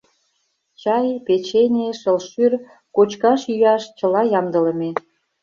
Чай, печене, шылшӱр — кочкаш-йӱаш чыла ямдылыме.